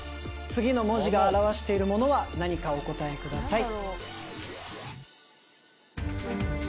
次の文字が表しているものは何かお答えください